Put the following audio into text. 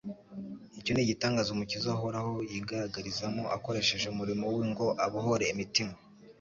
icyo ni igitangaza Umukiza uhoraho yigaragarizamo, akoresheje umurimo we ngo abohore imitima.